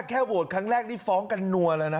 โหวตครั้งแรกนี่ฟ้องกันนัวแล้วนะ